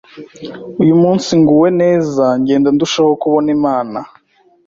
uyu munsi nguwe neza, ngenda ndushaho kubona Imana